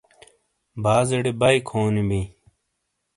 بازیڈے بائیے کھونی بئے ۔